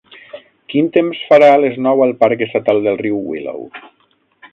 Quin temps farà a les nou al parc estatal del riu Willow?